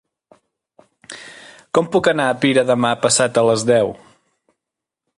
Com puc anar a Pira demà passat a les deu?